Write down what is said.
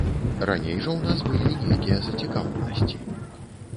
Раней жа ў нас былі нейкія зацікаўленасці.